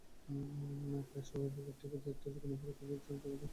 প্রায় সবাই ব্যাপারটিকে একটি জঘন্য আচরণের বিপক্ষে চমত্কার প্রতিবাদ হিসেবেই অভিহিত করেছেন।